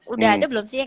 udah ada belum sih